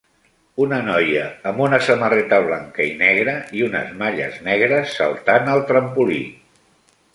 Una noia amb una samarreta blanca y negra i unes malles negres saltant al trampolí.